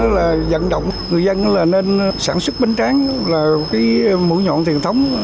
là dẫn động người dân là nên sản xuất bánh tráng là cái mũi nhọn thiền thống